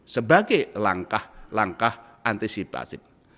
sebagai langkah langkah antisipasi